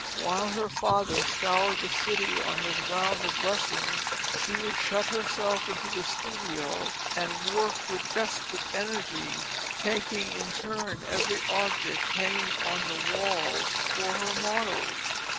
While her father scoured the city on his round of lessons, she would shut herself into the studio and work with desperate energy, taking in turn every object hanging on the walls for her models.